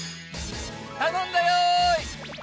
頼んだよ！